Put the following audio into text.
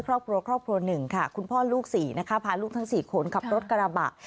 ครอบครัว๑ค่ะคุณพ่อลูก๔นะคะพาลูกทั้ง๔คนขับรถกระบะ